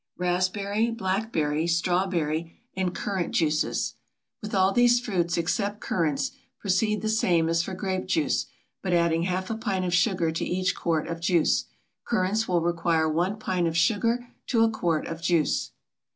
[a] RASPBERRY, BLACKBERRY, STRAWBERRY, AND CURRANT JUICES. With all these fruits except currants, proceed the same as for grape juice, but adding half a pint of sugar to each quart of juice. Currants will require 1 pint of sugar to a quart of juice.